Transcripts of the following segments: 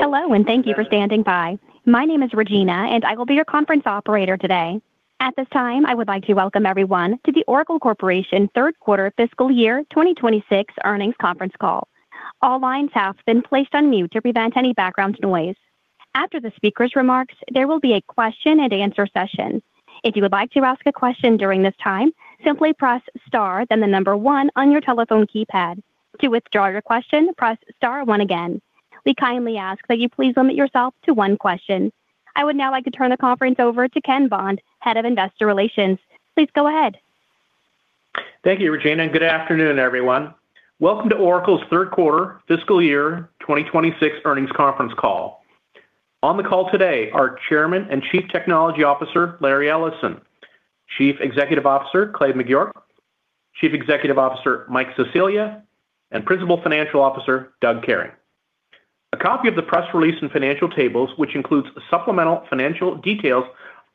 Hello, and thank you for standing by. My name is Regina, and I will be your conference operator today. At this time, I would like to welcome everyone to the Oracle Corporation third quarter fiscal year 2026 earnings conference call. All lines have been placed on mute to prevent any background noise. After the speaker's remarks, there will be a question-and-answer session. If you would like to ask a question during this time, simply press star then the number one on your telephone keypad. To withdraw your question, press star one again. We kindly ask that you please limit yourself to one question. I would now like to turn the conference over to Ken Bond, Head of Investor Relations. Please go ahead. Thank you, Regina, and good afternoon, everyone. Welcome to Oracle's third quarter fiscal year 2026 earnings conference call. On the call today are Chairman and Chief Technology Officer, Larry Ellison, Chief Executive Officer, Clay Magouyrk, Chief Executive Officer, Mike Sicilia, and Principal Financial Officer, Doug Kehring. A copy of the press release and financial tables, which includes supplemental financial details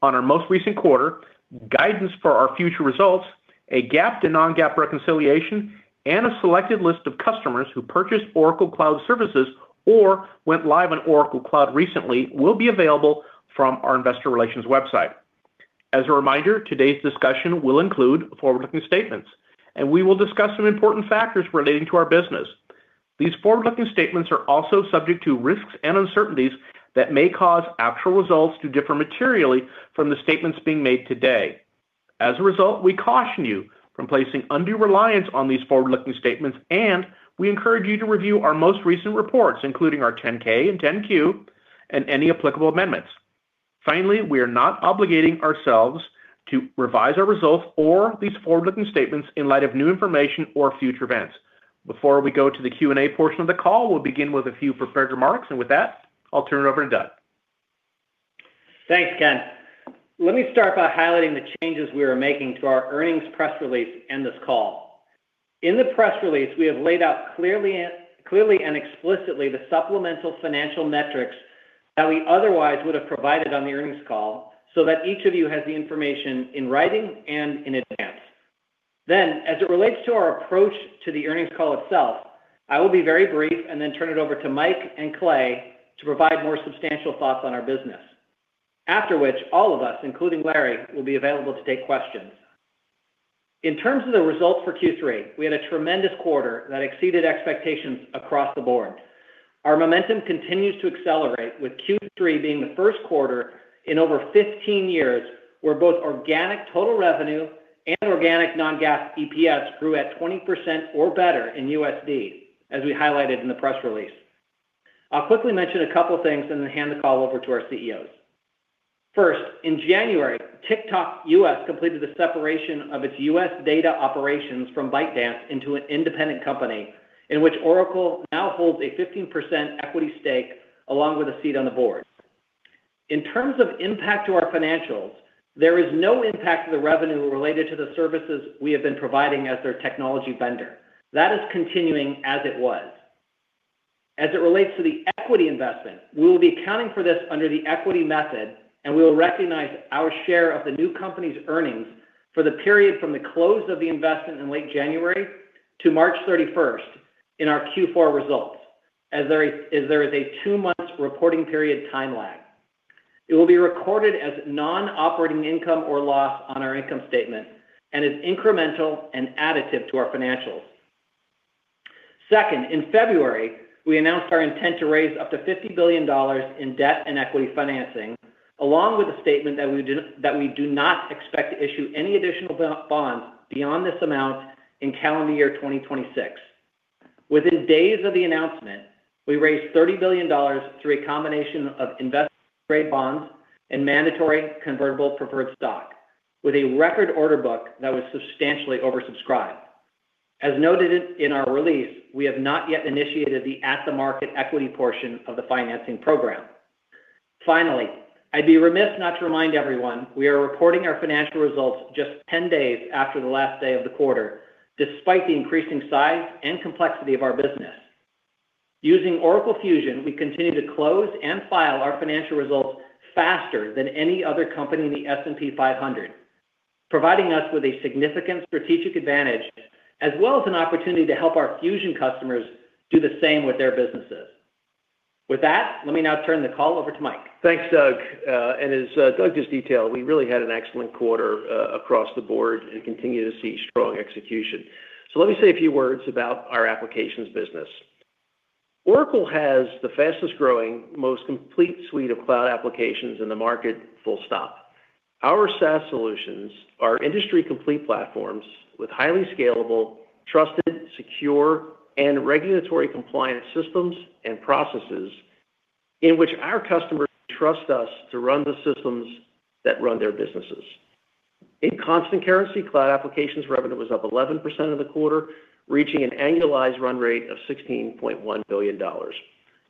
on our most recent quarter, guidance for our future results, a GAAP to non-GAAP reconciliation, and a selected list of customers who purchased Oracle Cloud services or went live on Oracle Cloud recently, will be available from our investor relations website. As a reminder, today's discussion will include forward-looking statements, and we will discuss some important factors relating to our business. These forward-looking statements are also subject to risks and uncertainties that may cause actual results to differ materially from the statements being made today. As a result, we caution you from placing undue reliance on these forward-looking statements, and we encourage you to review our most recent reports, including our 10-K and 10-Q and any applicable amendments. Finally, we are not obligating ourselves to revise our results or these forward-looking statements in light of new information or future events. Before we go to the Q&A portion of the call, we'll begin with a few prepared remarks, and with that, I'll turn it over to Doug. Thanks, Ken. Let me start by highlighting the changes we are making to our earnings press release and this call. In the press release, we have laid out clearly and explicitly the supplemental financial metrics that we otherwise would have provided on the earnings call so that each of you has the information in writing and in advance. As it relates to our approach to the earnings call itself, I will be very brief and then turn it over to Mike and Clay to provide more substantial thoughts on our business. After which, all of us, including Larry, will be available to take questions. In terms of the results for Q3, we had a tremendous quarter that exceeded expectations across the board. Our momentum continues to accelerate with Q3 being the first quarter in over 15 years, where both organic total revenue and organic non-GAAP EPS grew at 20% or better in USD, as we highlighted in the press release. I'll quickly mention a couple of things and then hand the call over to our CEOs. First, in January, TikTok U.S. completed the separation of its U.S. data operations from ByteDance into an independent company in which Oracle now holds a 15% equity stake along with a seat on the board. In terms of impact to our financials, there is no impact to the revenue related to the services we have been providing as their technology vendor. That is continuing as it was. As it relates to the equity investment, we will be accounting for this under the equity method, and we will recognize our share of the new company's earnings for the period from the close of the investment in late January to March 31st in our Q4 results, as there is a two-month reporting period time lag. It will be recorded as non-operating income or loss on our income statement and is incremental and additive to our financials. Second, in February, we announced our intent to raise up to $50 billion in debt and equity financing, along with a statement that we do not expect to issue any additional bonds beyond this amount in calendar year 2026. Within days of the announcement, we raised $30 billion through a combination of investment-grade bonds and mandatory convertible preferred stock with a record order book that was substantially oversubscribed. As noted in our release, we have not yet initiated the at-the-market equity portion of the financing program. Finally, I'd be remiss not to remind everyone we are reporting our financial results just 10 days after the last day of the quarter, despite the increasing size and complexity of our business. Using Oracle Fusion, we continue to close and file our financial results faster than any other company in the S&P 500, providing us with a significant strategic advantage as well as an opportunity to help our Fusion customers do the same with their businesses. With that, let me now turn the call over to Mike. Thanks, Doug. As Doug just detailed, we really had an excellent quarter across the board and continue to see strong execution. Let me say a few words about our applications business. Oracle has the fastest-growing, most complete suite of Cloud Applications in the market, full stop. Our SaaS solutions are industry complete platforms with highly scalable, trusted, secure, and regulatory compliance systems and processes in which our customers trust us to run the systems that run their businesses. In constant currency, Cloud Applications revenue was up 11% in the quarter, reaching an annualized run rate of $16.1 billion.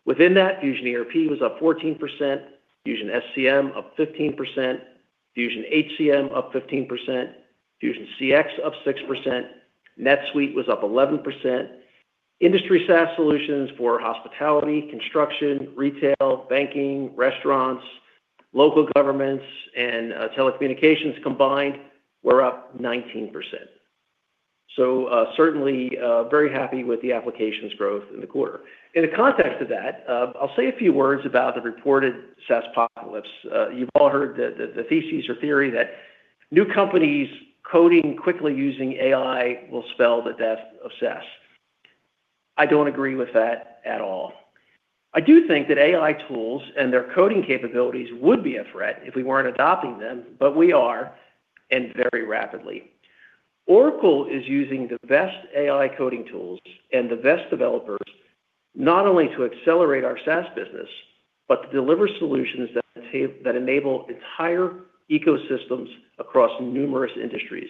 Within that, Fusion ERP was up 14%, Fusion SCM up 15%, Fusion HCM up 15%, Fusion CX up 6%. NetSuite was up 11%. Industry SaaS solutions for hospitality, construction, retail, banking, restaurants, local governments, and telecommunications combined were up 19%. Certainly, very happy with the applications growth in the quarter. In the context of that, I'll say a few words about the reported SaaS apocalypse. You've all heard the thesis or theory that new companies coding quickly using AI will spell the death of SaaS. I don't agree with that at all. I do think that AI tools and their coding capabilities would be a threat if we weren't adopting them, but we are, and very rapidly. Oracle is using the best AI coding tools and the best developers not only to accelerate our SaaS business, but to deliver solutions that enable entire ecosystems across numerous industries.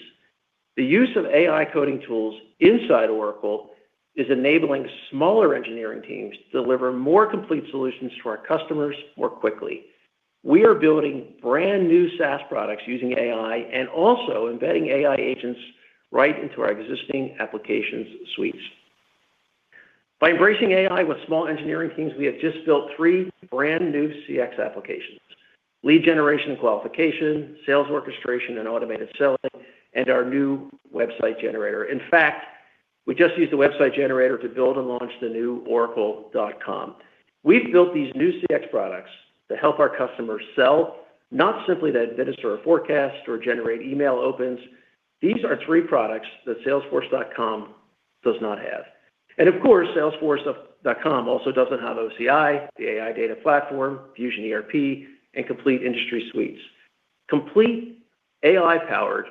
The use of AI coding tools inside Oracle is enabling smaller engineering teams to deliver more complete solutions to our customers more quickly. We are building brand-new SaaS products using AI and also embedding AI agents right into our existing applications suites. By embracing AI with small engineering teams, we have just built three brand-new CX applications. Lead generation and qualification, sales orchestration, and automated selling, and our new website generator. In fact, we just used the website generator to build and launch the new Oracle.com. We've built these new CX products to help our customers sell, not simply to administer a forecast or generate email opens. These are three products that Salesforce.com does not have. Of course, Salesforce.com also doesn't have OCI, the AI data platform, Fusion ERP, and complete industry suites. Complete AI-powered,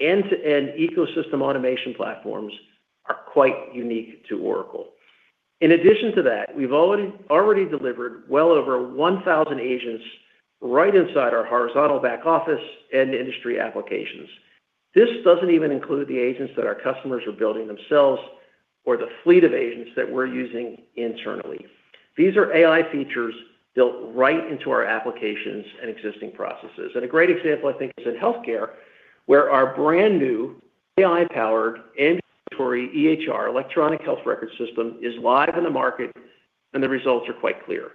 end-to-end ecosystem automation platforms are quite unique to Oracle. In addition to that, we've already delivered well over 1,000 agents right inside our horizontal back office and industry applications. This doesn't even include the agents that our customers are building themselves or the fleet of agents that we're using internally. These are AI features built right into our applications and existing processes. A great example, I think, is in healthcare, where our brand-new AI-powered integrated EHR, electronic health record system, is live in the market, and the results are quite clear.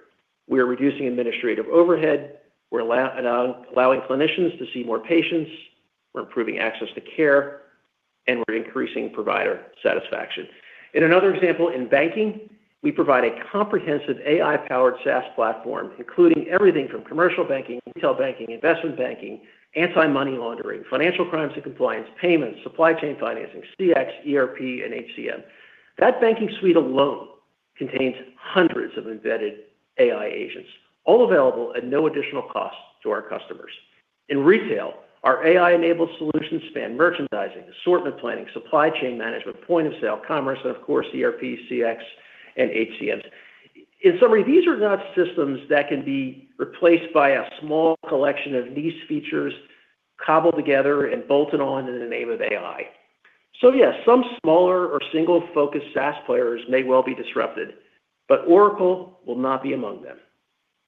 We are reducing administrative overhead, we're allowing clinicians to see more patients, we're improving access to care, and we're increasing provider satisfaction. In another example, in banking, we provide a comprehensive AI-powered SaaS platform, including everything from commercial banking, retail banking, investment banking, anti-money laundering, financial crimes and compliance, payments, supply chain financing, CX, ERP, and HCM. That banking suite alone contains hundreds of embedded AI agents, all available at no additional cost to our customers. In retail, our AI-enabled solutions span merchandising, assortment planning, supply chain management, point-of-sale, commerce, and of course, ERP, CX, and HCM. In summary, these are not systems that can be replaced by a small collection of niche features cobbled together and bolted on in the name of AI. Yes, some smaller or single-focused SaaS players may well be disrupted, but Oracle will not be among them.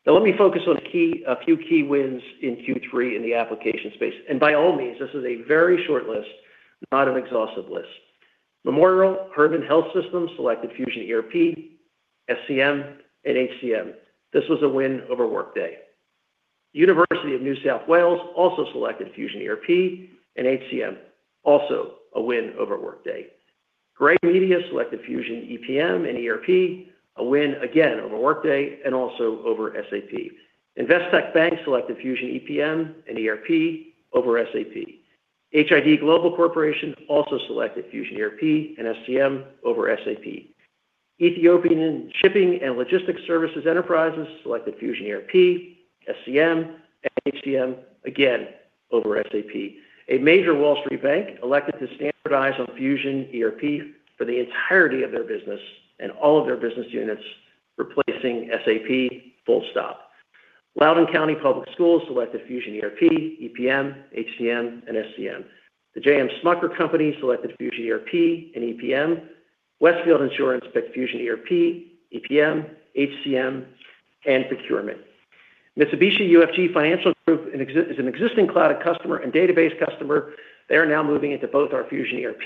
Now let me focus on a few key wins in Q3 in the application space. By all means, this is a very short list, not an exhaustive list. Memorial Hermann Health System selected Fusion ERP, SCM, and HCM. This was a win over Workday. University of New South Wales also selected Fusion ERP and HCM, also a win over Workday. Gray Media selected Fusion EPM and ERP, a win again over Workday and also over SAP. Investec Bank selected Fusion EPM and ERP over SAP. HID Global Corporation also selected Fusion ERP and SCM over SAP. Ethiopian Shipping and Logistics Services Enterprise selected Fusion ERP, SCM, and HCM, again over SAP. A major Wall Street bank elected to standardize on Fusion ERP for the entirety of their business and all of their business units, replacing SAP full stop. Loudoun County Public Schools selected Fusion ERP, EPM, HCM, and SCM. The J.M. Smucker Co selected Fusion ERP and EPM. Westfield Insurance picked Fusion ERP, EPM, HCM, and procurement. Mitsubishi UFJ Financial Group is an existing cloud customer and database customer. They are now moving into both our Fusion ERP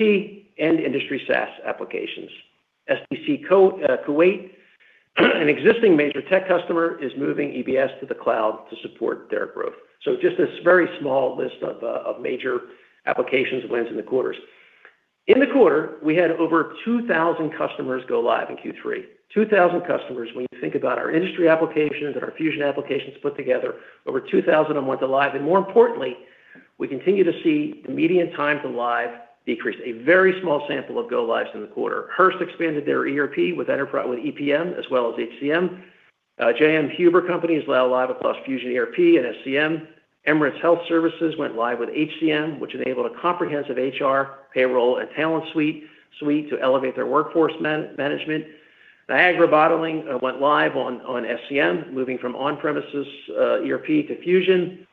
and industry SaaS applications. stc Kuwait, an existing major tech customer, is moving EBS to the cloud to support their growth. Just this very small list of major applications wins in the quarters. In the quarter, we had over 2000 customers go live in Q3. 2000 customers when you think about our industry applications and our Fusion applications put together. Over 2000 went live, and more importantly, we continue to see the median time to live decrease. A very small sample of go lives in the quarter. Hearst expanded their ERP with EPM as well as HCM. J.M. Huber Corporation is now live across Fusion ERP and SCM. Emirates Health Services went live with HCM, which enabled a comprehensive HR, payroll, and talent suite to elevate their workforce management. Niagara Bottling went live on SCM, moving from on-premises ERP to Fusion.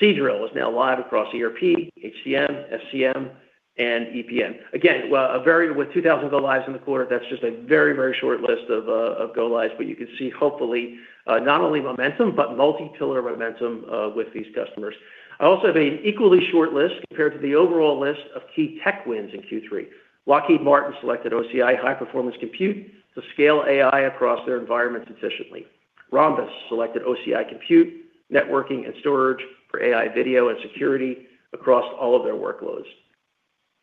Seadrill is now live across ERP, HCM, SCM, and EPM. Again, with 2,000 go lives in the quarter, that's just a very, very short list of go lives. You can see hopefully, not only momentum, but multi-pillar momentum with these customers. I also have an equally short list compared to the overall list of key tech wins in Q3. Lockheed Martin selected OCI High Performance Computing to scale AI across their environment sufficiently. Rhombus selected OCI Compute, networking, and storage for AI video and security across all of their workloads.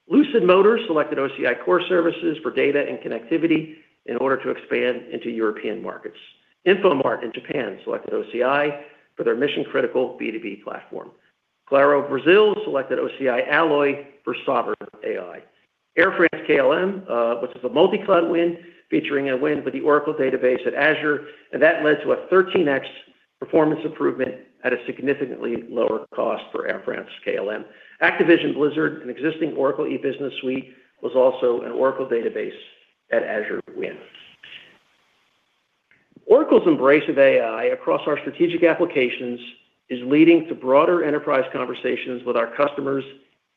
Lucid Motors selected OCI Core Services for data and connectivity in order to expand into European markets. Infomart in Japan selected OCI for their mission-critical B2B platform. Claro Brazil selected OCI Alloy for sovereign AI. Air France-KLM, which is a multi-cloud win, featuring a win with the Oracle Database@Azure, and that led to a 13x performance improvement at a significantly lower cost for Air France-KLM. Activision Blizzard, an existing Oracle E-Business Suite, was also an Oracle Database@Azure win. Oracle's embrace of AI across our strategic applications is leading to broader enterprise conversations with our customers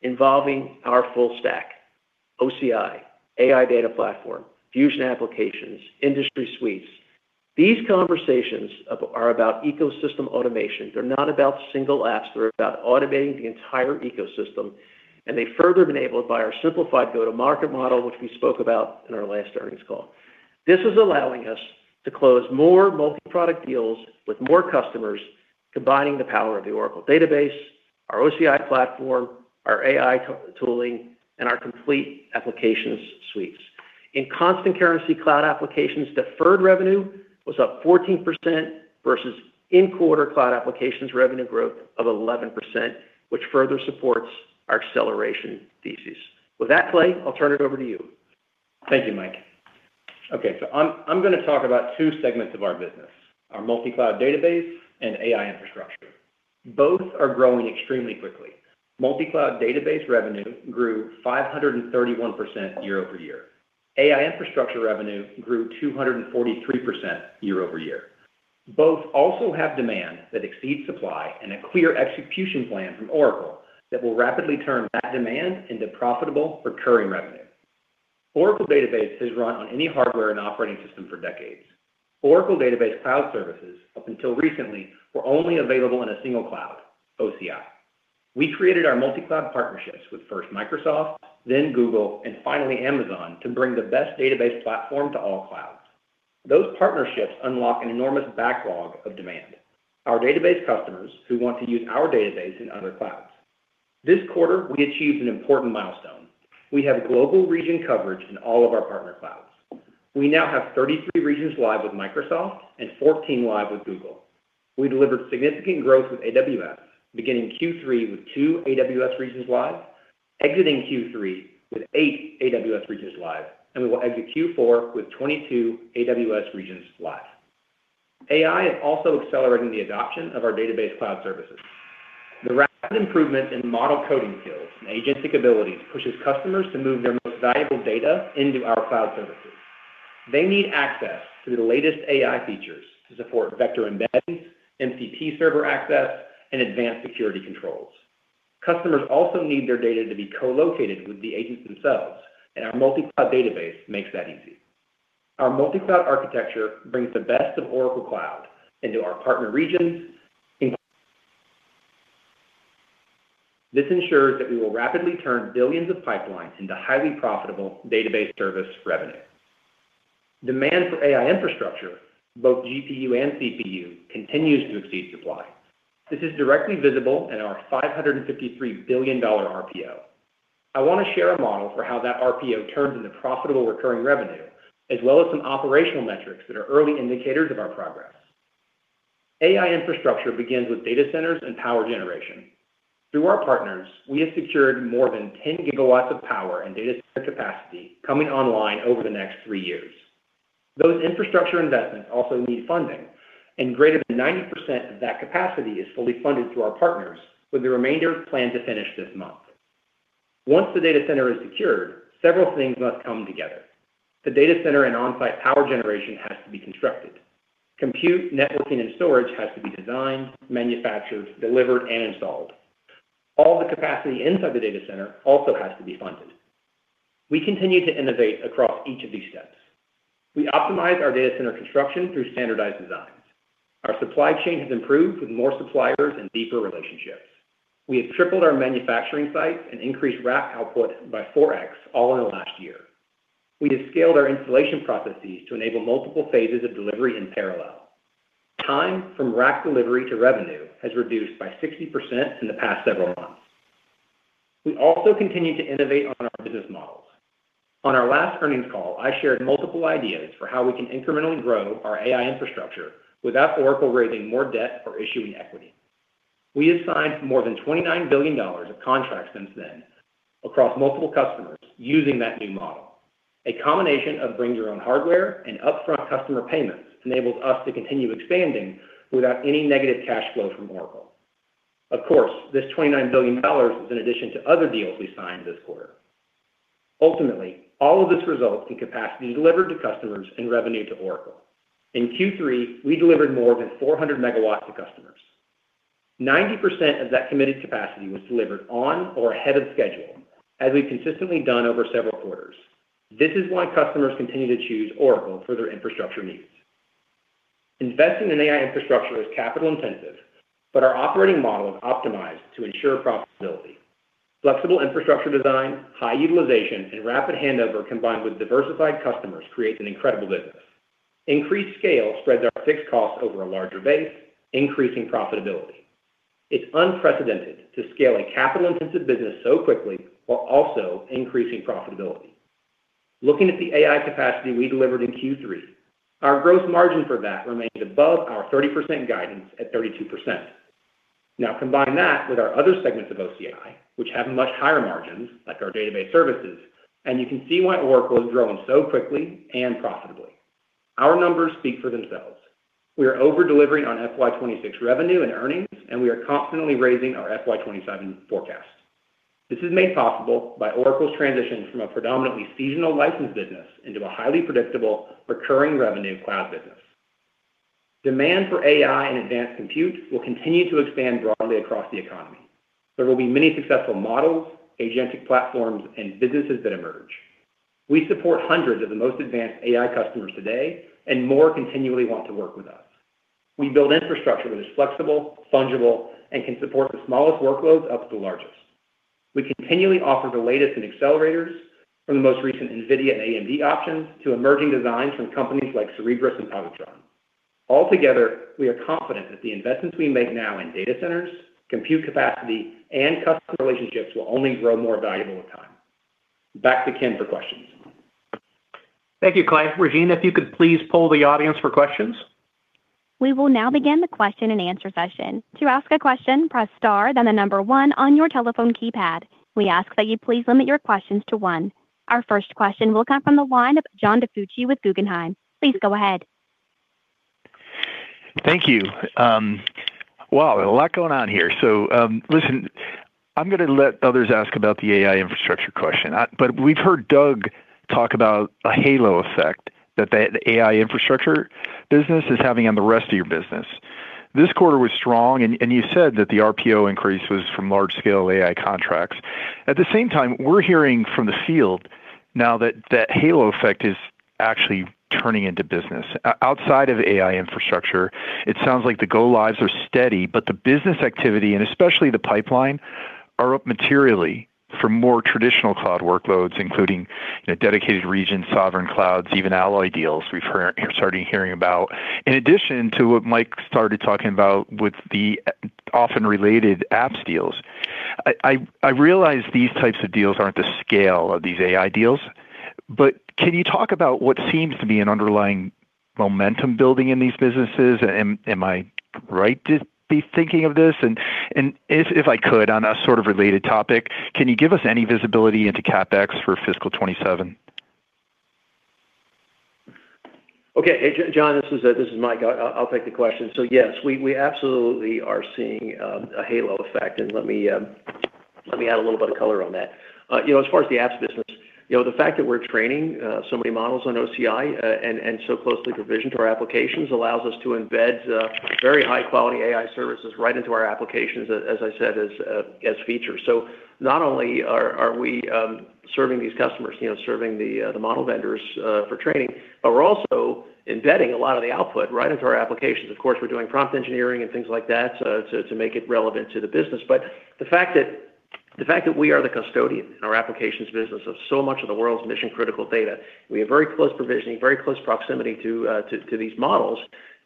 involving our full stack, OCI, AI Data Platform, Fusion Applications, industry suites. These conversations are about ecosystem automation. They're not about single apps, they're about automating the entire ecosystem, and they're further enabled by our simplified go-to-market model, which we spoke about in our last earnings call. This is allowing us to close more multi-product deals with more customers, combining the power of the Oracle Database, our OCI platform, our AI tooling, and our complete applications suites. In constant currency Cloud Applications, deferred revenue was up 14% versus in-quarter Cloud Applications revenue growth of 11%, which further supports our acceleration thesis. With that, Clay, I'll turn it over to you. Thank you, Mike. Okay, I'm gonna talk about two segments of our business, our multi-cloud database and AI infrastructure. Both are growing extremely quickly. Multi-cloud database revenue grew 531% year-over-year. AI infrastructure revenue grew 243% year-over-year. Both also have demand that exceeds supply and a clear execution plan from Oracle that will rapidly turn that demand into profitable recurring revenue. Oracle Database has run on any hardware and operating system for decades. Oracle Database Cloud Services, up until recently, were only available in a single cloud, OCI. We created our multi-cloud partnerships with first Microsoft, then Google, and finally Amazon to bring the best database platform to all clouds. Those partnerships unlock an enormous backlog of demand. Our database customers who want to use our database in other clouds. This quarter, we achieved an important milestone. We have global region coverage in all of our partner clouds. We now have 33 regions live with Microsoft and 14 live with Google. We delivered significant growth with AWS, beginning Q3 with two AWS regions live, exiting Q3 with eight AWS regions live, and we will exit Q4 with 22 AWS regions live. AI is also accelerating the adoption of our database cloud services. The rapid improvement in model coding skills and agentic abilities pushes customers to move their most valuable data into our cloud services. They need access to the latest AI features to support vector embeddings, MCP server access, and advanced security controls. Customers also need their data to be co-located with the agents themselves, and our multi-cloud database makes that easy. Our multi-cloud architecture brings the best of Oracle Cloud into our partner regions in. This ensures that we will rapidly turn billions of pipelines into highly profitable database service revenue. Demand for AI infrastructure, both GPU and CPU, continues to exceed supply. This is directly visible in our $553 billion RPO. I wanna share a model for how that RPO turns into profitable recurring revenue, as well as some operational metrics that are early indicators of our progress. AI infrastructure begins with data centers and power generation. Through our partners, we have secured more than 10 GW of power and data center capacity coming online over the next three years. Those infrastructure investments also need funding, and greater than 90% of that capacity is fully funded through our partners, with the remainder planned to finish this month. Once the data center is secured, several things must come together. The data center and on-site power generation has to be constructed. Compute, networking, and storage has to be designed, manufactured, delivered, and installed. All the capacity inside the data center also has to be funded. We continue to innovate across each of these steps. We optimize our data center construction through standardized designs. Our supply chain has improved with more suppliers and deeper relationships. We have tripled our manufacturing sites and increased rack output by 4x all in the last year. We have scaled our installation processes to enable multiple phases of delivery in parallel. Time from rack delivery to revenue has reduced by 60% in the past several months. We also continue to innovate on our business models. On our last earnings call, I shared multiple ideas for how we can incrementally grow our AI infrastructure without Oracle raising more debt or issuing equity. We have signed more than $29 billion of contracts since then across multiple customers using that new model. A combination of bring your own hardware and upfront customer payments enables us to continue expanding without any negative cash flow from Oracle. Of course, this $29 billion is in addition to other deals we signed this quarter. Ultimately, all of this results in capacity delivered to customers and revenue to Oracle. In Q3, we delivered more than 400 MW to customers. 90% of that committed capacity was delivered on or ahead of schedule, as we've consistently done over several quarters. This is why customers continue to choose Oracle for their infrastructure needs. Investing in AI infrastructure is capital-intensive, but our operating model is optimized to ensure profitability. Flexible infrastructure design, high utilization, and rapid handover combined with diversified customers creates an incredible business. Increased scale spreads our fixed costs over a larger base, increasing profitability. It's unprecedented to scale a capital-intensive business so quickly while also increasing profitability. Looking at the AI capacity we delivered in Q3, our gross margin for that remained above our 30% guidance at 32%. Now combine that with our other segments of OCI, which have much higher margins, like our database services, and you can see why Oracle is growing so quickly and profitably. Our numbers speak for themselves. We are over-delivering on FY 2026 revenue and earnings, and we are constantly raising our FY 2027 forecast. This is made possible by Oracle's transition from a predominantly seasonal license business into a highly predictable recurring revenue cloud business. Demand for AI and advanced compute will continue to expand broadly across the economy. There will be many successful models, agentic platforms, and businesses that emerge. We support hundreds of the most advanced AI customers today, and more continually want to work with us. We build infrastructure that is flexible, fungible, and can support the smallest workloads up to the largest. We continually offer the latest in accelerators from the most recent NVIDIA and AMD options to emerging designs from companies like Cerebras and Pegatron. Altogether, we are confident that the investments we make now in data centers, compute capacity, and customer relationships will only grow more valuable with time. Back to Ken for questions. Thank you, Clay. Regina, if you could please poll the audience for questions. We will now begin the question and answer session. To ask a question, press star then the number one on your telephone keypad. We ask that you please limit your questions to one. Our first question will come from the line of John DiFucci with Guggenheim. Please go ahead. Thank you. Wow, a lot going on here. Listen, I'm gonna let others ask about the AI infrastructure question. We've heard Doug talk about a halo effect that the AI infrastructure business is having on the rest of your business. This quarter was strong and you said that the RPO increase was from large-scale AI contracts. At the same time, we're hearing from the field now that that halo effect is actually turning into business. Outside of AI infrastructure, it sounds like the go lives are steady, but the business activity, and especially the pipeline, are up materially for more traditional cloud workloads, including, you know, dedicated region, sovereign clouds, even Alloy deals we're hearing about. In addition to what Mike started talking about with the often related apps deals, I realize these types of deals aren't the scale of these AI deals, but can you talk about what seems to be an underlying momentum building in these businesses? Am I right to be thinking of this? If I could, on a sort of related topic, can you give us any visibility into CapEx for fiscal 2027? Okay. Hey, John, this is Mike. I'll take the question. Yes, we absolutely are seeing a halo effect, and let me add a little bit of color on that. You know, as far as the apps business, you know, the fact that we're training so many models on OCI and so closely provisioned to our applications allows us to embed very high-quality AI services right into our applications, as I said, as features. Not only are we serving these customers, you know, serving the model vendors for training, but we're also embedding a lot of the output right into our applications. Of course, we're doing prompt engineering and things like that to make it relevant to the business. The fact that we are the custodian in our applications business of so much of the world's mission-critical data, we have very close provisioning, very close proximity to these models.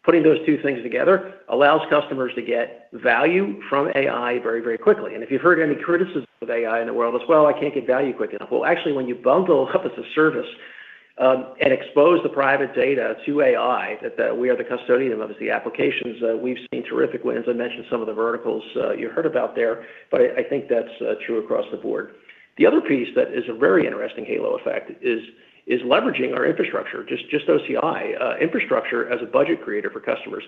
Putting those two things together allows customers to get value from AI very, very quickly. If you've heard any criticism of AI in the world as, "Well, I can't get value quick enough." Well, actually, when you bundle up as a service, and expose the private data to AI that we are the custodian of as the applications, we've seen terrific wins. I mentioned some of the verticals you heard about there, but I think that's true across the board. The other piece that is a very interesting halo effect is leveraging our infrastructure, just OCI infrastructure as a budget creator for customers.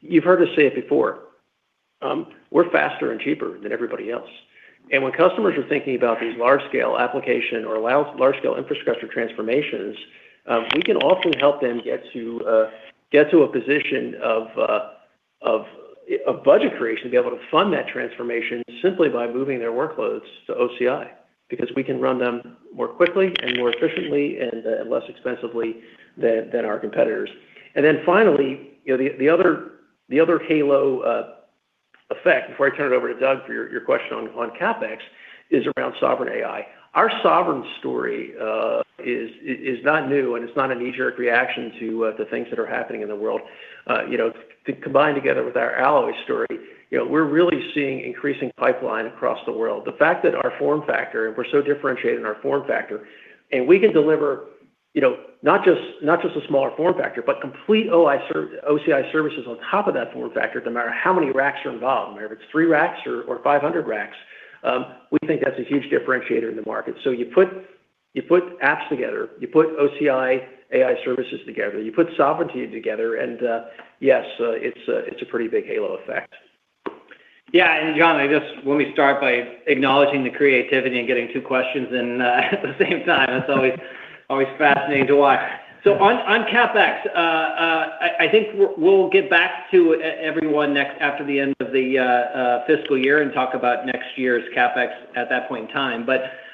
You've heard us say it before, we're faster and cheaper than everybody else. When customers are thinking about these large-scale application or large-scale infrastructure transformations, we can also help them get to a position of budget creation to be able to fund that transformation simply by moving their workloads to OCI because we can run them more quickly and more efficiently and less expensively than our competitors. Finally, you know, the other halo effect, before I turn it over to Doug for your question on CapEx, is around sovereign AI. Our sovereign story is not new, and it's not a knee-jerk reaction to the things that are happening in the world. You know, combined together with our Alloy story, you know, we're really seeing increasing pipeline across the world. The fact that our form factor, and we're so differentiated in our form factor, and we can deliver, you know, not just a smaller form factor, but complete OCI services on top of that form factor no matter how many racks are involved, whether it's three racks or 500 racks, we think that's a huge differentiator in the market. You put apps together, you put OCI AI services together, you put sovereignty together, and yes, it's a pretty big halo effect. Yeah. John, I just want to start by acknowledging the creativity in getting two questions in at the same time. That's always fascinating to watch. On CapEx, I think we'll get back to everyone next after the end of the fiscal year and talk about next year's CapEx at that point in time.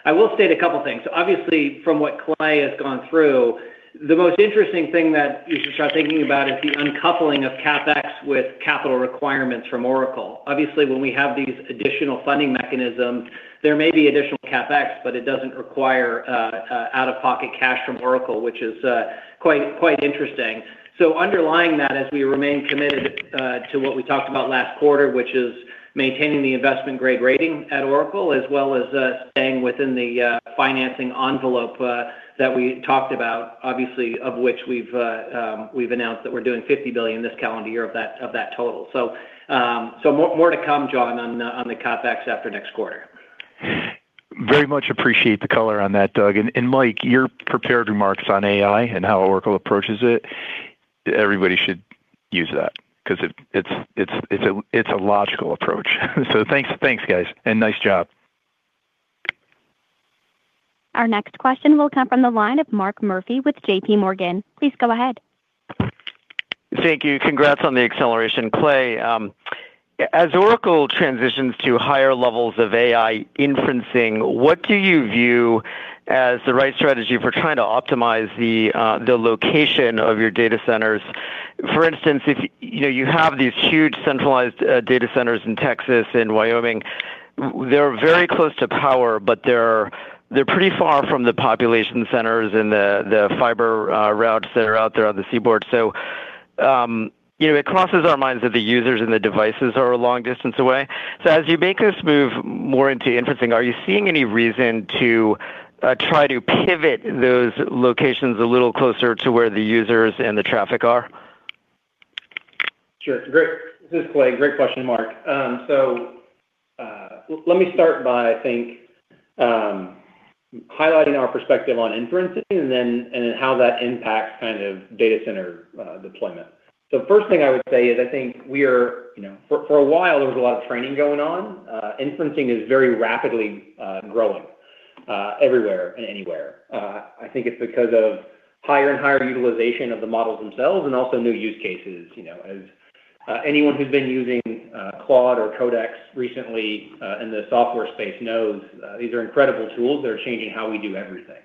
I will state a couple things. Obviously, from what Clay has gone through, the most interesting thing that you should start thinking about is the uncoupling of CapEx with capital requirements from Oracle. Obviously, when we have these additional funding mechanisms, there may be additional CapEx, but it doesn't require out-of-pocket cash from Oracle, which is quite interesting. Underlying that, as we remain committed to what we talked about last quarter, which is maintaining the investment grade rating at Oracle, as well as staying within the financing envelope that we talked about, obviously, of which we've announced that we're doing $50 billion this calendar year of that total. More to come, John, on the CapEx after next quarter. Very much appreciate the color on that, Doug. Mike, your prepared remarks on AI and how Oracle approaches it, everybody should use that because it's a logical approach. Thanks, guys, and nice job. Our next question will come from the line of Mark Murphy with JPMorgan. Please go ahead. Thank you. Congrats on the acceleration, Clay. As Oracle transitions to higher levels of AI inferencing, what do you view as the right strategy for trying to optimize the location of your data centers? For instance, if you know you have these huge centralized data centers in Texas and Wyoming, they're very close to power, but they're pretty far from the population centers and the fiber routes that are out there on the seaboard. You know, it crosses our minds that the users and the devices are a long distance away. As you make this move more into inferencing, are you seeing any reason to try to pivot those locations a little closer to where the users and the traffic are? Sure. Great. This is Clay. Great question, Mark. Let me start by, I think, highlighting our perspective on inferencing and then how that impacts kind of data center deployment. First thing I would say is I think we're, you know. For a while there was a lot of training going on. Inferencing is very rapidly growing everywhere and anywhere. I think it's because of higher and higher utilization of the models themselves and also new use cases. You know, as anyone who's been using Claude or Codex recently in the software space knows, these are incredible tools. They're changing how we do everything.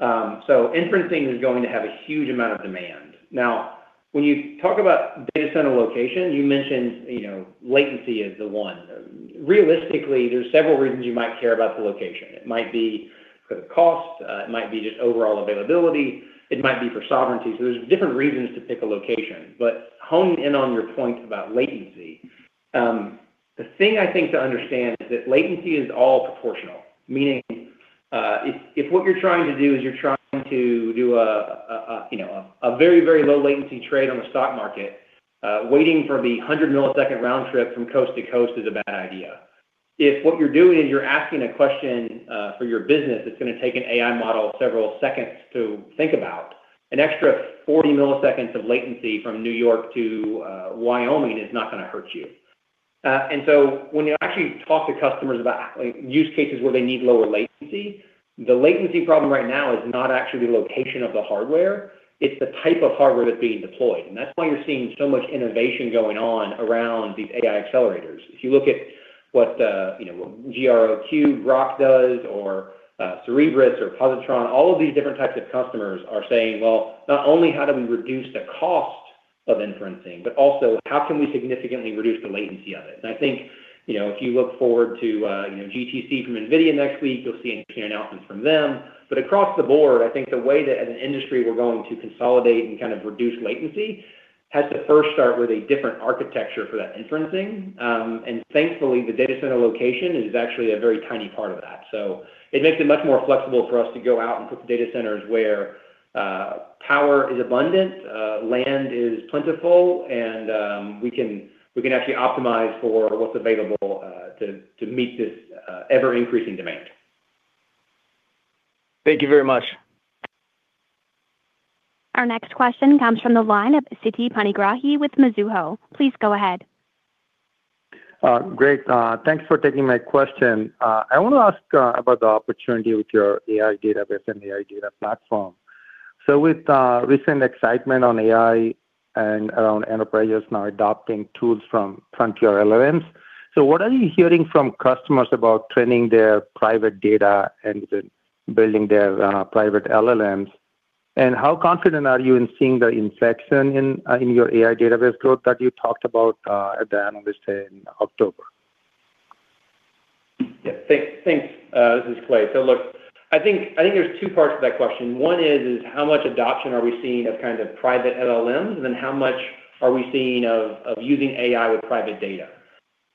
Inferencing is going to have a huge amount of demand. Now, when you talk about data center location, you mentioned, you know, latency is the one. Realistically, there's several reasons you might care about the location. It might be for the cost, it might be just overall availability, it might be for sovereignty. There's different reasons to pick a location. Honing in on your point about latency, the thing I think to understand is that latency is all proportional. Meaning, if what you're trying to do is you're trying to do a, you know, a very, very low latency trade on the stock market, waiting for the 100-millisecond round trip from coast to coast is a bad idea. If what you're doing is you're asking a question for your business that's gonna take an AI model several seconds to think about, an extra 40 milliseconds of latency from New York to Wyoming is not gonna hurt you. When you actually talk to customers about use cases where they need lower latency, the latency problem right now is not actually the location of the hardware, it's the type of hardware that's being deployed. That's why you're seeing so much innovation going on around these AI accelerators. If you look at what you know Groq does, or Cerebras or Positron, all of these different types of customers are saying, "Well, not only how do we reduce the cost of inferencing, but also how can we significantly reduce the latency of it?" I think, you know, if you look forward to you know GTC from NVIDIA next week, you'll see some key announcements from them. Across the board, I think the way that as an industry we're going to consolidate and kind of reduce latency has to first start with a different architecture for that inferencing. Thankfully the data center location is actually a very tiny part of that. It makes it much more flexible for us to go out and put the data centers where power is abundant, land is plentiful, and we can actually optimize for what's available to meet this ever-increasing demand. Thank you very much. Our next question comes from the line of Siti Panigrahi with Mizuho. Please go ahead. Great. Thanks for taking my question. I wanna ask about the opportunity with your AI database and AI data platform. With recent excitement on AI and around enterprises now adopting tools from frontier LLMs, so what are you hearing from customers about training their private data and then building their private LLMs? How confident are you in seeing the inflection in your AI database growth that you talked about at the Analyst Day in October? Yeah. Thanks. This is Clay. Look, I think there's two parts to that question. One is how much adoption are we seeing of kind of private LLMs, and then how much are we seeing of using AI with private data?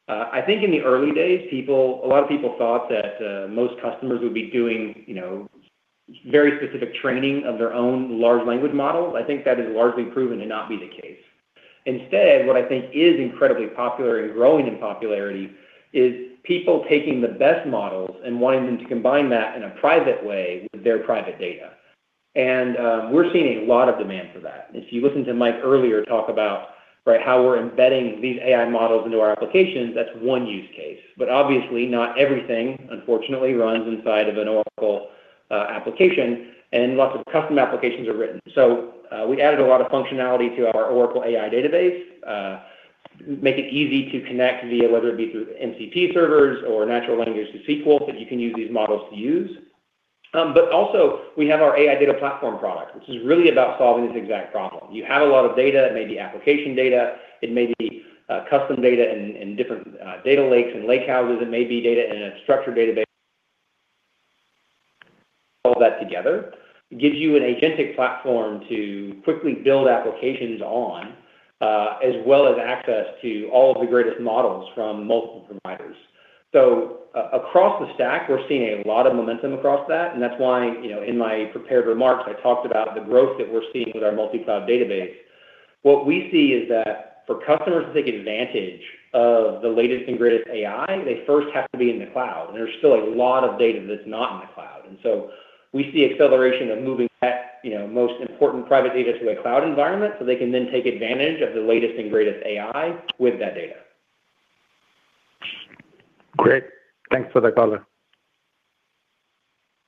I think in the early days, a lot of people thought that most customers would be doing, you know, very specific training of their own large language model. I think that has largely proven to not be the case. Instead, what I think is incredibly popular and growing in popularity is people taking the best models and wanting them to combine that in a private way with their private data. We're seeing a lot of demand for that. If you listen to Mike earlier talk about right? How we're embedding these AI models into our applications, that's one use case. Obviously, not everything unfortunately runs inside of an Oracle application, and lots of custom applications are written. We added a lot of functionality to our Oracle AI Database make it easy to connect via whether it be through MCP servers or natural language to SQL that you can use these models to use. Also we have our AI Data Platform product, which is really about solving this exact problem. You have a lot of data, it may be application data, it may be custom data in different data lakes and lake houses. It may be data in a structured database. All that together gives you an agentic platform to quickly build applications on, as well as access to all of the greatest models from multiple providers. Across the stack, we're seeing a lot of momentum across that, and that's why, you know, in my prepared remarks, I talked about the growth that we're seeing with our multi-cloud database. What we see is that for customers to take advantage of the latest and greatest AI, they first have to be in the cloud, and there's still a lot of data that's not in the cloud. We see acceleration of moving that, you know, most important private data to a cloud environment so they can then take advantage of the latest and greatest AI with that data. Great. Thanks for the color.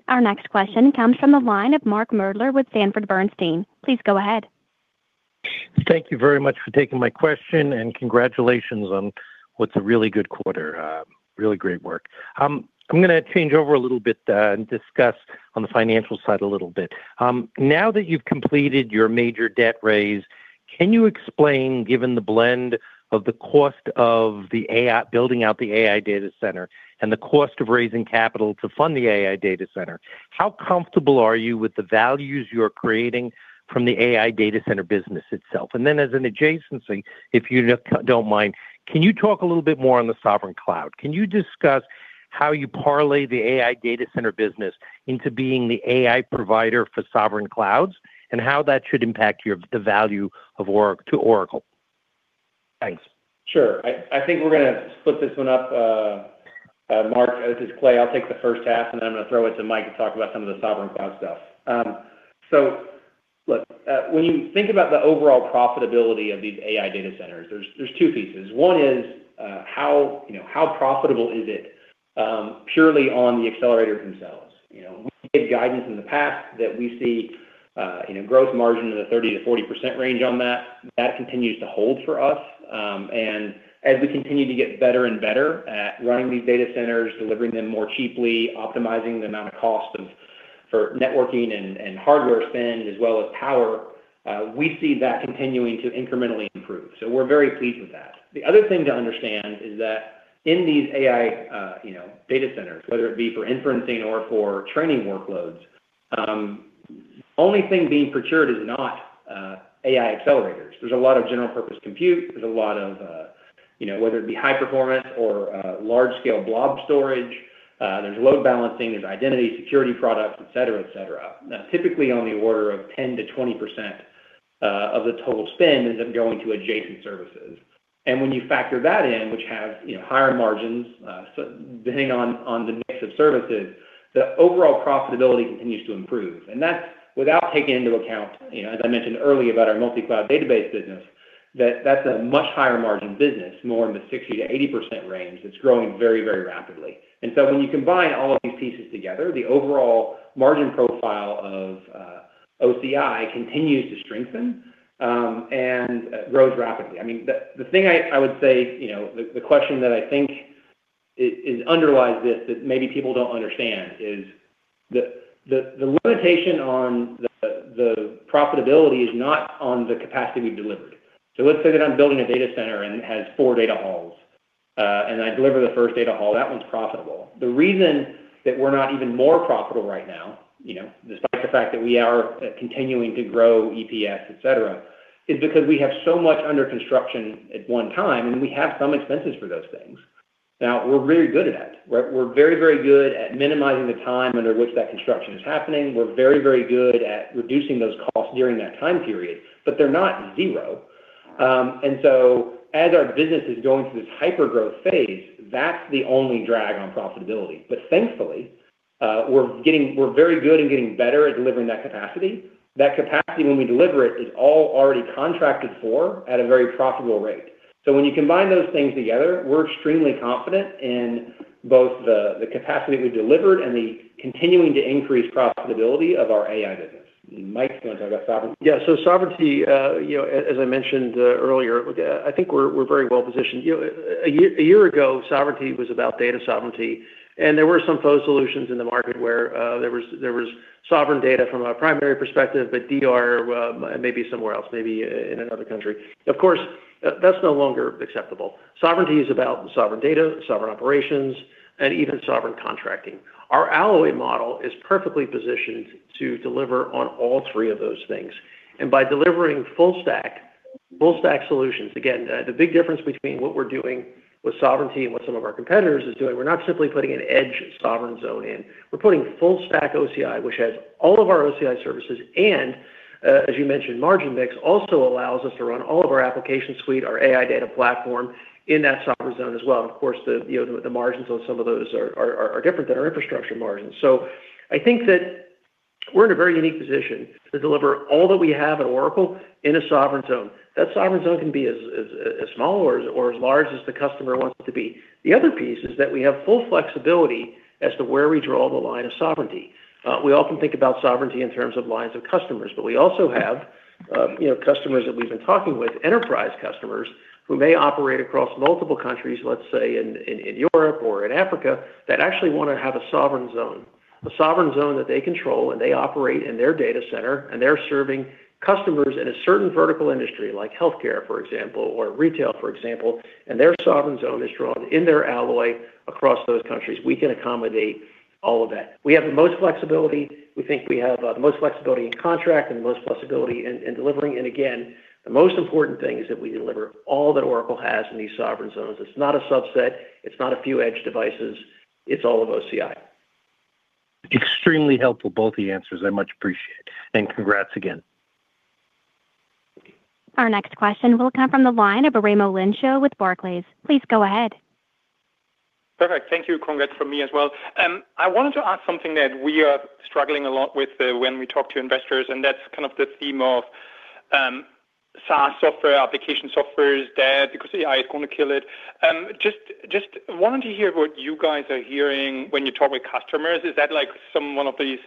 Our next question comes from the line of Mark Moerdler with Sanford Bernstein. Please go ahead. Thank you very much for taking my question, and congratulations on what's a really good quarter. Really great work. I'm gonna change over a little bit, and discuss on the financial side a little bit. Now that you've completed your major debt raise, can you explain, given the blend of the cost of building out the AI data center and the cost of raising capital to fund the AI data center, how comfortable are you with the values you're creating from the AI data center business itself? As an adjacency, if you just don't mind, can you talk a little bit more on the sovereign cloud? Can you discuss how you parlay the AI data center business into being the AI provider for sovereign clouds, and how that should impact the value of Oracle? Thanks. Sure. I think we're gonna split this one up, Mark. This is Clay. I'll take the first half, and then I'm gonna throw it to Mike to talk about some of the sovereign cloud stuff. Look, when you think about the overall profitability of these AI data centers, there's two pieces. One is, you know, how profitable is it, purely on the accelerators themselves? You know, we gave guidance in the past that we see, you know, gross margin in the 30%-40% range on that. That continues to hold for us. As we continue to get better and better at running these data centers, delivering them more cheaply, optimizing the amount of cost for networking and hardware spend as well as power, we see that continuing to incrementally improve. We're very pleased with that. The other thing to understand is that in these AI data centers, whether it be for inferencing or for training workloads, only thing being procured is not AI accelerators. There's a lot of general purpose compute. There's a lot of whether it be high performance or large scale blob storage, there's load balancing, there's identity security products, et cetera, et cetera. Now, typically on the order of 10%-20% of the total spend ends up going to adjacent services. When you factor that in, which has higher margins, depending on the mix of services, the overall profitability continues to improve. That's without taking into account, you know, as I mentioned earlier about our multi-cloud database business, that that's a much higher margin business, more in the 60%-80% range. It's growing very, very rapidly. When you combine all of these pieces together, the overall margin profile of OCI continues to strengthen and grows rapidly. I mean, the thing I would say, you know, the question that I think is underlies this that maybe people don't understand is the limitation on the profitability is not on the capacity we've delivered. Let's say that I'm building a data center and it has four data halls and I deliver the first data hall, that one's profitable. The reason that we're not even more profitable right now, you know, despite the fact that we are continuing to grow EPS, et cetera, is because we have so much under construction at one time, and we have some expenses for those things. Now, we're very good at that, right? We're very, very good at minimizing the time under which that construction is happening. We're very, very good at reducing those costs during that time period, but they're not zero. As our business is going through this hyper-growth phase, that's the only drag on profitability. Thankfully, we're very good and getting better at delivering that capacity. That capacity when we deliver it, is all already contracted for at a very profitable rate. When you combine those things together, we're extremely confident in both the capacity we've delivered and the continuing to increase profitability of our AI business. Mike's gonna talk about sovereign- Sovereignty, you know, as I mentioned earlier, I think we're very well positioned. You know, a year ago, sovereignty was about data sovereignty, and there were some faux solutions in the market where there was sovereign data from a primary perspective, but DR maybe somewhere else, maybe in another country. Of course, that's no longer acceptable. Sovereignty is about sovereign data, sovereign operations, and even sovereign contracting. Our alloy model is perfectly positioned to deliver on all three of those things. By delivering full stack solutions, again, the big difference between what we're doing with sovereignty and what some of our competitors is doing, we're not simply putting an edge sovereign zone in. We're putting full stack OCI, which has all of our OCI services, and, as you mentioned, margin mix also allows us to run all of our application suite, our AI data platform in that software zone as well. Of course, you know, the margins on some of those are different than our infrastructure margins. I think that we're in a very unique position to deliver all that we have at Oracle in a sovereign zone. That sovereign zone can be as small or as large as the customer wants it to be. The other piece is that we have full flexibility as to where we draw the line of sovereignty. We often think about sovereignty in terms of lines of customers, but we also have, you know, customers that we've been talking with, enterprise customers who may operate across multiple countries, let's say in Europe or in Africa, that actually wanna have a sovereign zone. A sovereign zone that they control, and they operate in their data center, and they're serving customers in a certain vertical industry like healthcare, for example, or retail, for example, and their sovereign zone is drawn in their Alloy across those countries. We can accommodate all of that. We have the most flexibility. We think we have the most flexibility in contract and the most flexibility in delivering, and again, the most important thing is that we deliver all that Oracle has in these sovereign zones. It's not a subset, it's not a few edge devices, it's all of OCI. Extremely helpful, both the answers. I much appreciate. Congrats again. Our next question will come from the line of Raimo Lenschow with Barclays. Please go ahead. Perfect. Thank you. Congrats from me as well. I wanted to ask something that we are struggling a lot with when we talk to investors, and that's kind of the theme of SaaS software, application software is dead because AI is gonna kill it. Just wanted to hear what you guys are hearing when you talk with customers. Is that like some one of these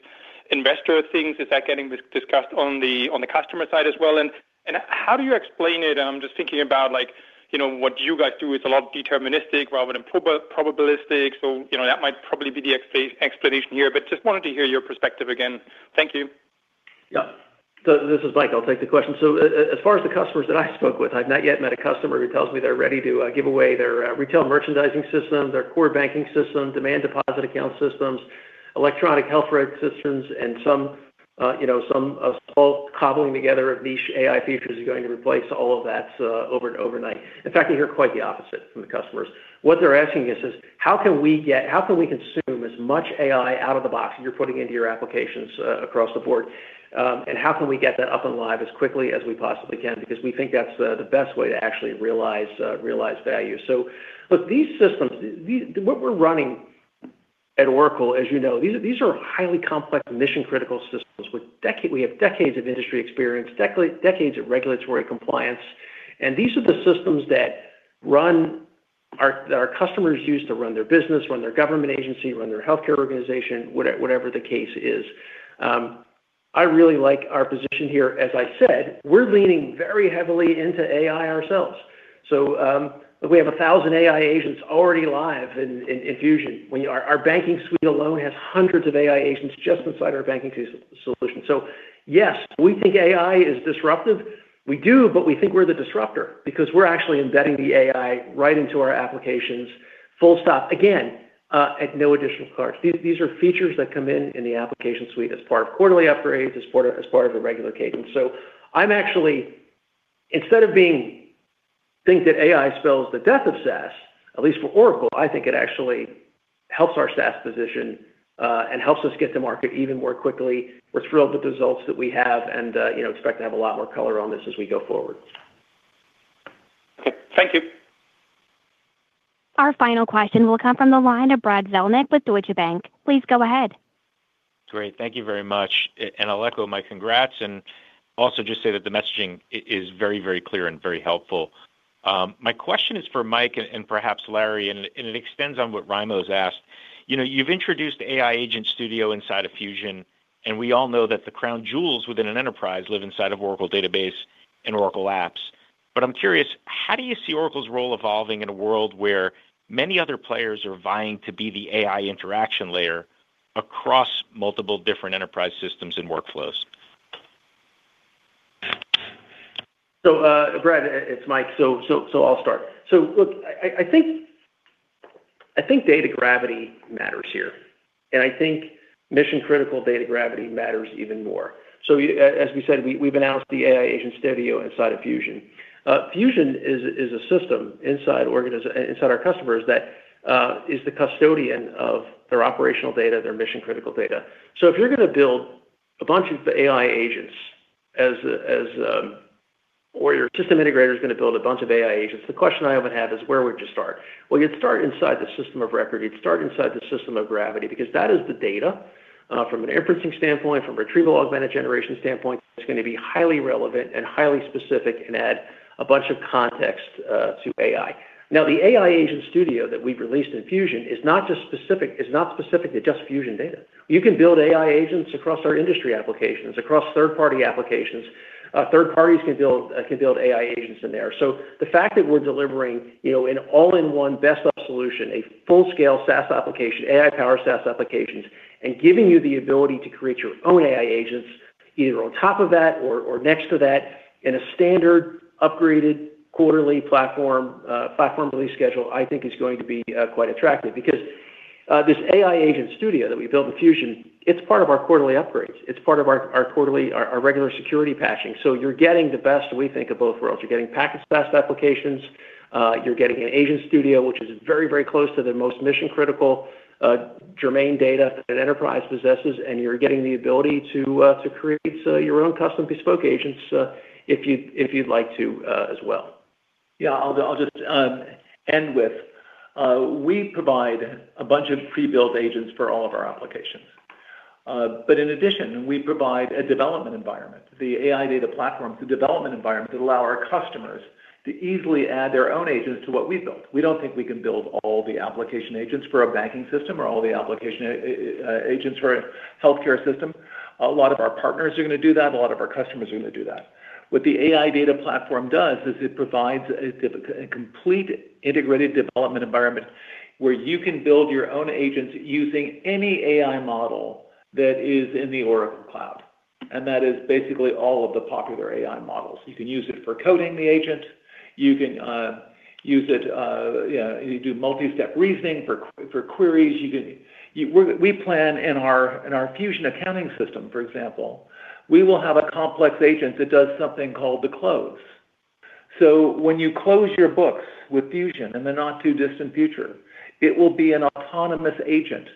investor things? Is that getting discussed on the customer side as well? And how do you explain it? I'm just thinking about like, you know, what you guys do, it's a lot deterministic rather than probabilistic. So, you know, that might probably be the explanation here, but just wanted to hear your perspective again. Thank you. Yeah. This is Mike. I'll take the question. As far as the customers that I spoke with, I've not yet met a customer who tells me they're ready to give away their retail merchandising system, their core banking system, demand deposit account systems, electronic health record systems, and some you know some small cobbling together of niche AI features is going to replace all of that overnight. In fact, you hear quite the opposite from the customers. What they're asking us is, "How can we consume as much AI out of the box that you're putting into your applications across the board, and how can we get that up and live as quickly as we possibly can? Because we think that's the best way to actually realize value." Look, these systems, what we're running at Oracle, as you know, these are highly complex mission-critical systems with decades of industry experience, decades of regulatory compliance, and these are the systems that our customers use to run their business, run their government agency, run their healthcare organization, whatever the case is. I really like our position here. As I said, we're leaning very heavily into AI ourselves. We have 1,000 AI agents already live in Fusion. Our banking suite alone has hundreds of AI agents just inside our banking solution. Yes, we think AI is disruptive. We do, but we think we're the disruptor because we're actually embedding the AI right into our applications, full stop. Again, at no additional cost. These are features that come in the application suite as part of quarterly upgrades, as part of a regular cadence. Instead of thinking that AI spells the death of SaaS, at least for Oracle, I think it actually helps our SaaS position, and helps us get to market even more quickly. We're thrilled with the results that we have and, you know, expect to have a lot more color on this as we go forward. Okay. Thank you. Our final question will come from the line of Brad Zelnick with Deutsche Bank. Please go ahead. Great. Thank you very much. I'll echo my congrats and also just say that the messaging is very, very clear and very helpful. My question is for Mike and perhaps Larry, and it extends on what Raimo's asked. You know, you've introduced AI Agent Studio inside of Fusion, and we all know that the crown jewels within an enterprise live inside of Oracle Database and Oracle Apps. I'm curious, how do you see Oracle's role evolving in a world where many other players are vying to be the AI interaction layer across multiple different enterprise systems and workflows? Brad, it's Mike. I'll start. Look, I think data gravity matters here, and I think mission-critical data gravity matters even more. As we said, we've announced the AI Agent Studio inside of Fusion. Fusion is a system inside our customers that is the custodian of their operational data, their mission-critical data. If you're gonna build a bunch of AI agents or your system integrator is gonna build a bunch of AI agents, the question I often have is. Where would you start? Well, you'd start inside the system of record. You'd start inside the system of gravity because that is the data from an inferencing standpoint, from retrieval augmented generation standpoint, it's gonna be highly relevant and highly specific and add a bunch of context to AI. Now, the AI Agent Studio that we've released in Fusion is not specific to just Fusion data. You can build AI agents across our industry applications, across third-party applications. Third parties can build AI agents in there. The fact that we're delivering, you know, an all-in-one best of solution, a full-scale SaaS application, AI-powered SaaS applications, and giving you the ability to create your own AI agents either on top of that or next to that in a standard upgraded quarterly platform release schedule, I think is going to be quite attractive. This AI Agent Studio that we built with Fusion, it's part of our quarterly upgrades. It's part of our quarterly, our regular security patching. You're getting the best, we think, of both worlds. You're getting packaged best applications. You're getting an Agent Studio, which is very, very close to the most mission-critical, germane data that enterprise possesses, and you're getting the ability to create your own custom bespoke agents, if you'd like to, as well. Yeah, I'll just end with we provide a bunch of pre-built agents for all of our applications. In addition, we provide a development environment, the AI data platform, the development environment that allow our customers to easily add their own agents to what we've built. We don't think we can build all the application agents for a banking system or all the application agents for a healthcare system. A lot of our partners are gonna do that, a lot of our customers are gonna do that. What the AI data platform does is it provides a complete integrated development environment where you can build your own agents using any AI model that is in the Oracle Cloud, and that is basically all of the popular AI models. You can use it for coding the agent, you can use it, yeah, you do multi-step reasoning for queries. You can. We plan in our Fusion accounting system, for example, we will have a complex agent that does something called the close. When you close your books with Fusion in the not too distant future, it will be an autonomous agent,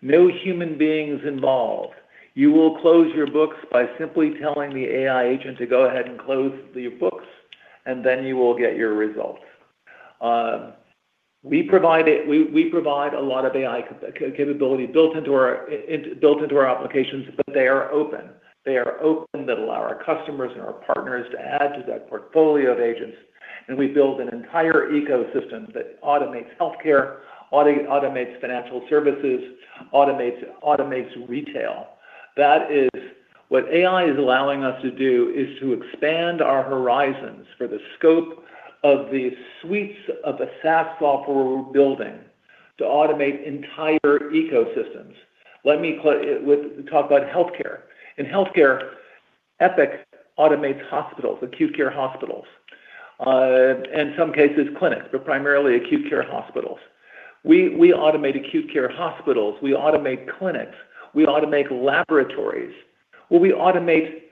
no human beings involved. You will close your books by simply telling the AI agent to go ahead and close the books, and then you will get your results. We provide a lot of AI capability built into our applications, but they are open. They are open that allow our customers and our partners to add to that portfolio of agents, and we build an entire ecosystem that automates healthcare, automates financial services, automates retail. That is what AI is allowing us to do, is to expand our horizons for the scope of the suites of the SaaS software we're building to automate entire ecosystems. Let me talk about healthcare. In healthcare, Epic automates hospitals, acute care hospitals, in some cases clinics, but primarily acute care hospitals. We automate acute care hospitals, we automate clinics, we automate laboratories. Well, we automate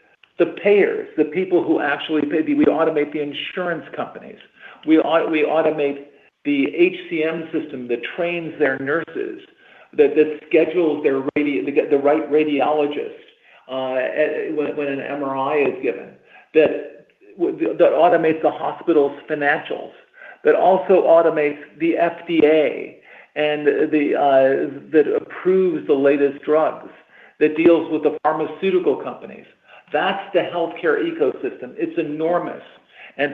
the payers, the people who actually pay the. We automate the insurance companies. We automate the HCM system that trains their nurses, that schedules the right radiologist when an MRI is given, that automates the hospital's financials, that also automates the FDA and that approves the latest drugs, that deals with the pharmaceutical companies. That's the healthcare ecosystem. It's enormous.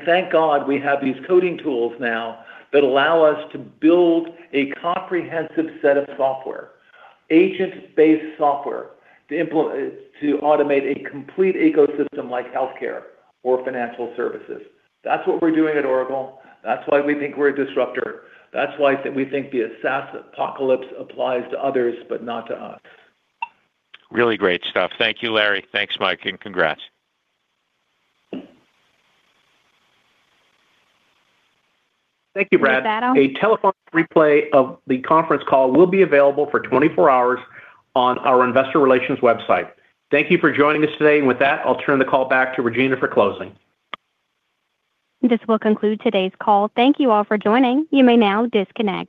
Thank God we have these coding tools now that allow us to build a comprehensive set of so ftware, agent-based software to automate a complete ecosystem like healthcare or financial services. That's what we're doing at Oracle. That's why we think we're a disruptor. That's why we think the SaaS apocalypse applies to others, but not to us. Really great stuff. Thank you, Larry. Thanks, Mike, and congrats. Thank you, Brad. With that, I'll. A telephone replay of the conference call will be available for 24 hours on our investor relations website. Thank you for joining us today. With that, I'll turn the call back to Regina for closing. This will conclude today's call. Thank you all for joining. You may now disconnect.